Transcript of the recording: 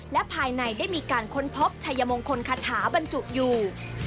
และภายในได้มีการค้นพบชายมงคลคาถาบรรจุอยู่